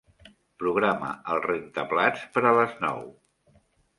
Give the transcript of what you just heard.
Programa el rentaplats per a les nou.